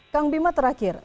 kang bima terakhir